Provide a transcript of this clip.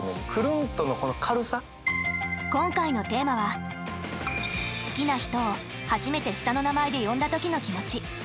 今回のテーマは「好きな人を初めて下の名前で呼んだ時の気持ち」。